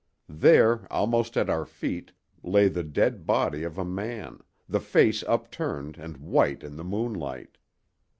There, almost at our feet, lay the dead body of a man, the face upturned and white in the moonlight!